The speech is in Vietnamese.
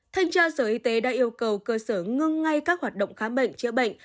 thanh tra sở y tế đã yêu cầu cơ sở ngưng ngay các hoạt động khám bệnh chữa bệnh